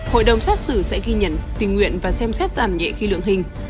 hội đồng xét xử sẽ ghi nhận tình nguyện và xem xét giảm nhẹ khi lượng hình